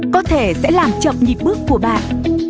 có thể sẽ làm chậm nhịp bước của bạn